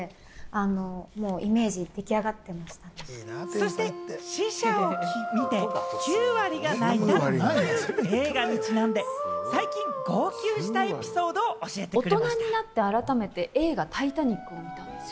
そして試写を見て、９割が泣いたという映画にちなんで最近、号泣したエピソードを教えてくれました。